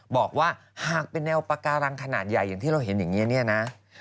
บอกว่าหากเป็นแนวปาการังขนาดใหญ่อย่างที่เราเห็นอย่างนี้เนี่ยนะ